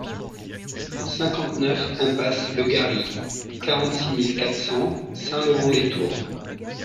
cinquante-neuf impasse le Gary, quarante-six mille quatre cents Saint-Laurent-les-Tours